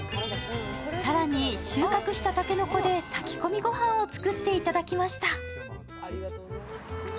更に収穫した竹の子で炊き込みご飯を作っていただきました。